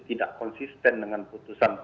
tidak konsisten dengan putusan